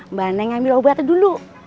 mbak neng ambil obatnya dulu